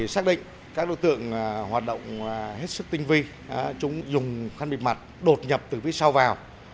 xác định các đối tượng hoạt động hết sức tinh vi chúng dùng khăn bịt mặt đột nhập từ phía sau vào